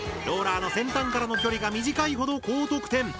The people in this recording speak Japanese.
ローラーの先端からの距離が短いほど高得点！